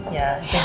ya jadi gini